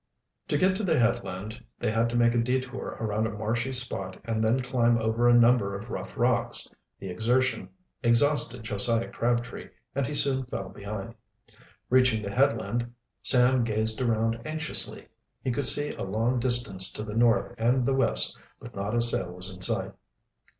To get to the headland they had to make a detour around a marshy spot and then climb over a number of rough rocks. The exertion exhausted Josiah Crabtree, and he soon fell behind. Reaching the headland, Sam gazed around anxiously. He could see a long distance to the north and the west, but not a sail was in sight.